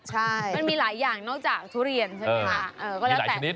มันมีหลายอย่างนอกจากทุเรียนใช่ไหมคะมีหลายชนิด